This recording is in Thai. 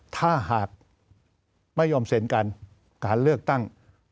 ถ้าหากไม่ยอมเซ็นกันการเลือกตั้ง